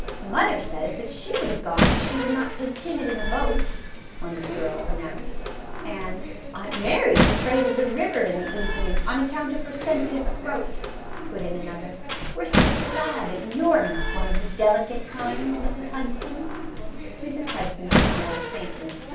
"Mother says that she would have gone if she were not so timid in a boat," one of the girls an nounced ; and " Aunt Mary is afraid of the river in the evening, on account of her sensitive throat," put in another ;" we 're so glad that you 're not one of the delicate kind, Mrs. Hudson." Mrs. Hudson smiled faintly.